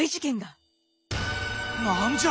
何じゃ！